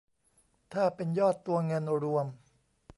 ถ้าเป็นยอดตัวเงินรวม